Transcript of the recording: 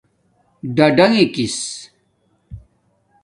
ڈاڈنݣس